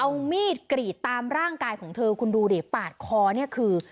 เอามีดกรีดตามร่างกายของเธอคุณดูดิปาดคอเนี่ยคือ